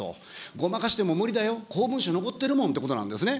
ごまかしても無理だよ、公文書残ってるもんということなんですね。